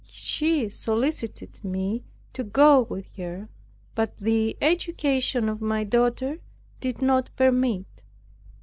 She solicited me to go with her; but the education of my daughter did not permit.